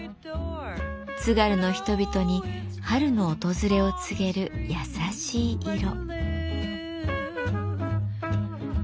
津軽の人々に春の訪れを告げる優しい色。